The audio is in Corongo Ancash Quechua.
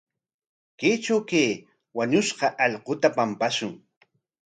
Kaytraw kay wañushqa allquta pampashun.